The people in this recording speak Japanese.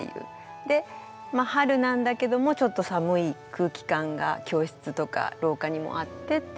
で春なんだけどもちょっと寒い空気感が教室とか廊下にもあってっていう。